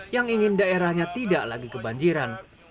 yang ingin daerahnya tidak lagi kebanjiran